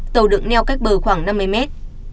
tàu đựng neo cách bờ khoảng năm mươi mét